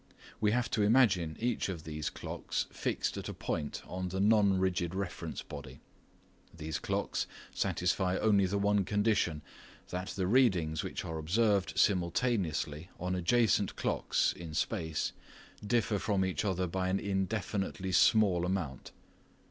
We have to imagine each of these clocks fixed at a point on the non rigid reference body. These clocks satisfy only the one condition, that the "readings" which are observed simultaneously on adjacent clocks (in space) differ from each other by an indefinitely small amount.